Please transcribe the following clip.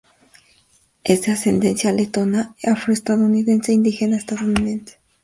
Es de ascendencia letona, afroestadounidense e indígena estadounidense.